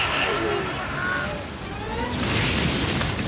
はい！